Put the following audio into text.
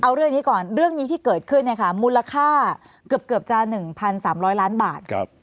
เอาเรื่องนี้ก่อนเรื่องนี้ที่เกิดขึ้นเนี่ยค่ะมูลค่าเกือบจะ๑๓๐๐ล้านบาท